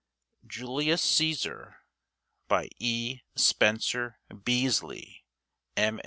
JULIUS CÆSAR By E. SPENCER BEESLY, M.